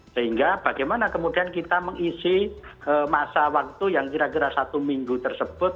sehingga bagaimana kemudian kita mengisi masa waktu yang kira kira satu minggu tersebut